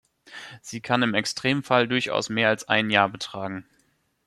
Sie kann im Extremfall durchaus mehr als ein Jahr betragen.